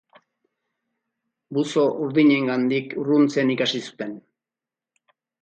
Buzo urdinengandik urruntzen ikasi zuten.